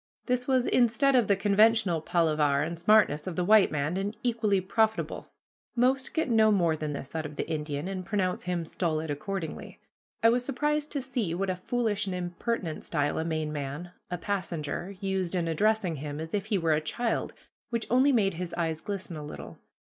This was instead of the conventional palaver and smartness of the white man, and equally profitable. Most get no more than this out of the Indian, and pronounce him stolid accordingly. I was surprised to see what a foolish and impertinent style a Maine man, a passenger, used in addressing him, as if he were a child, which only made his eyes glisten a little.